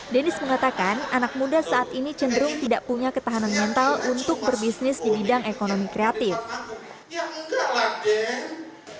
dennis mengatakan anak muda saat ini cenderung tidak punya ketahanan mental untuk berbisnis di bidang ekonomi kreatif